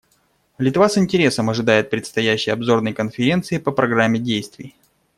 Литва с интересом ожидает предстоящей Обзорной конференции по программе действий.